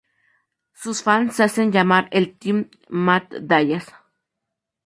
Sus fans se hacen llamar el Team Matt Dallas.